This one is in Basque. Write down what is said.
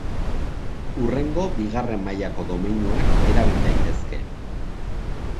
Hurrengo bigarren mailako domeinuak erabil daitezke.